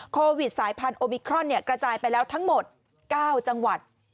โควิดสายพันธุมิครอนกระจายไปแล้วทั้งหมด๙จังหวัด